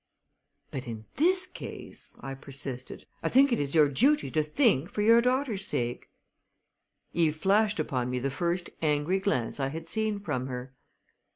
"But in this case," I persisted, "I think it is your duty to think for your daughter's sake." Eve flashed upon me the first angry glance I had seen from her.